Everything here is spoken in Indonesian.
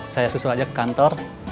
saya susul aja ke kantor